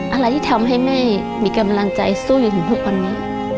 อะไรที่ทำให้แม่มีกำลังใจสู้จนถึงทุกวันนี้